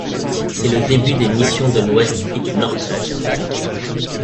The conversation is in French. C'est le début des missions de l'Ouest et du Nord canadiens.